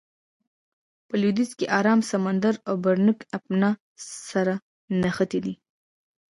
په لویدیځ کې ارام سمندر او بیرنګ آبنا سره نښتې ده.